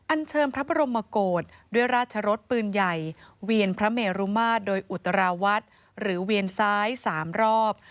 เชิญพระบรมโกรธด้วยราชรสปืนใหญ่เวียนพระเมรุมาตรโดยอุตราวัดหรือเวียนซ้าย๓รอบ